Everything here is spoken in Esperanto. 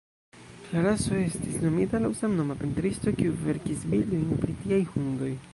La raso estis nomita laŭ samnoma pentristo, kiu verkis bildojn pri tiaj hundoj.